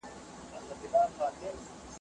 ما غوښتل چې له خپلې خونې ووځم.